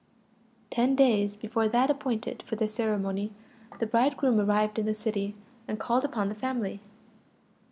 Ten days before that appointed for the ceremony, the bridegroom arrived in the city, and called upon the family.